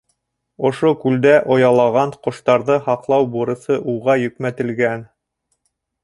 Ошо күлдә оялаған ҡоштарҙы һаҡлау бурысы уға йөкмәтелгән.